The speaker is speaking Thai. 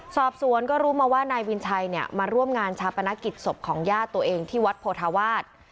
สอบสวนก็รู้มาว่านายวินชัยเนี่ยมาร่วมงานชาปนกิจศพของญาติตัวเองที่วัดโพธาวาส